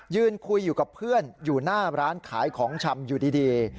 ยืนคุยอยู่กับเพื่อนอยู่หน้าร้านขายของชำอยู่ดี